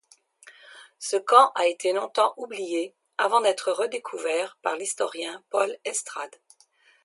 Ce camp a été longtemps oublié avant d'être redécouvert par l'historien Paul Estrade.